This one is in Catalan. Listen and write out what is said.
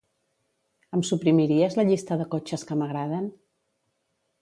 Em suprimiries la llista de cotxes que m'agraden?